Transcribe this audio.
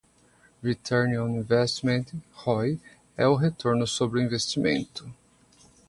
Return on Investment (ROI) é o retorno sobre o investimento.